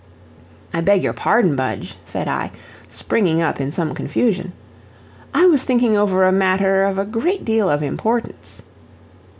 "I beg your pardon, Budge," said I, springing up in some confusion; "I was thinking over a matter of a great deal of importance."